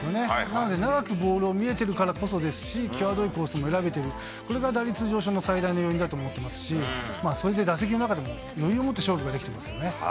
なので長くボールを見れてるこそですし、際どいコースも選べてる、これが打率上昇最大の要因だと思っていますし、それで打席の中でも余裕を持って勝負ができてますよね。